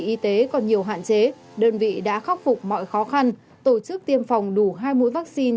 y tế còn nhiều hạn chế đơn vị đã khắc phục mọi khó khăn tổ chức tiêm phòng đủ hai mũi vaccine